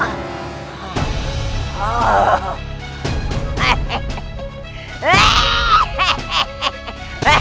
kau ini jadi rana pergi